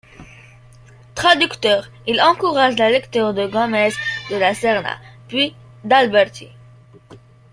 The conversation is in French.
Traducteur, il encourage la lecture de Gómez de la Serna, puis d'Alberti.